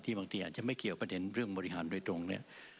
บางทีอาจจะไม่เกี่ยวประเด็นเรื่องบริหารโดยตรงเนี่ย